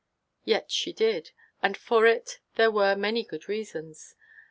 Yet she did; and for it there were many good reasons.